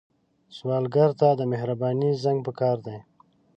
سوالګر ته د مهرباني زنګ پکار دی